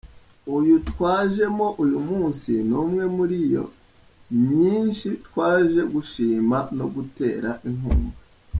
Uyu twajemo uyu munsi ni umwe muri iyo myinshi twaje gushima no gutera inkunga.